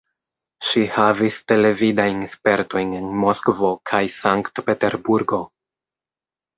Ŝi havis televidajn spertojn en Moskvo kaj Sankt-Peterburgo.